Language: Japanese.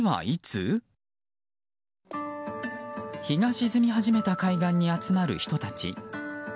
日が沈み始めた海岸に集まる人たち。